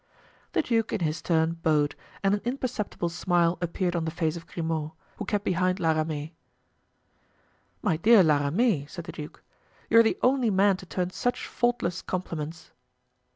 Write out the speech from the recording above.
The duke, in his turn, bowed, and an imperceptible smile appeared on the face of Grimaud, who kept behind La Ramee. "My dear La Ramee," said the duke, "you are the only man to turn such faultless compliments."